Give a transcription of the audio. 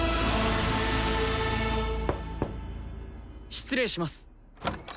失礼します。